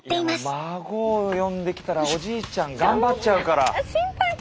もう孫呼んできたらおじいちゃん頑張っちゃうから。